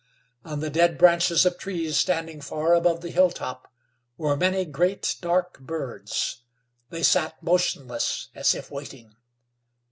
On the dead branches of trees standing far above the hilltop, were many great, dark birds. They sat motionless as if waiting.